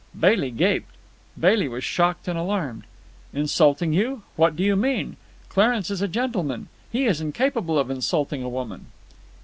Bailey gaped. Bailey was shocked and alarmed. "Insulting you! What do you mean? Clarence is a gentleman. He is incapable of insulting a woman."